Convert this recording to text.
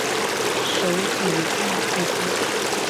首府利沃夫。